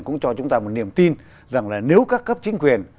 cũng cho chúng ta một niềm tin rằng là nếu các cấp chính quyền